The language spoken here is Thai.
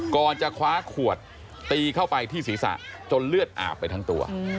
ก่อนจะคว้าขวดตีเข้าไปที่ศีรษะจนเลือดอาบไปทั้งตัว